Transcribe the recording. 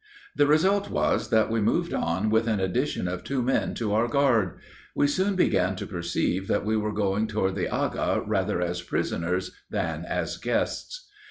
The result was, that we moved on with an addition of two men to our guard. We soon began to perceive that we were going toward the Agha rather as prisoners than as guests.